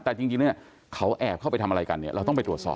แต่จริงเนี่ยเขาแอบเข้าไปทำอะไรกันเนี่ยเราต้องไปตรวจสอบ